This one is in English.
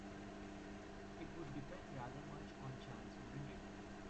It would depend rather much on chance, wouldn't it?